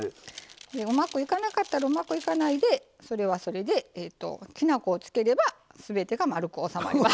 うまくいかなかったらうまくいかないでそれはそれできな粉をつければすべてがまるく収まります。